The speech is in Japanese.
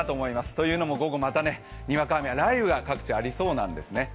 というのも午後またにわか雨、雷雨が各地ありそうなんですね。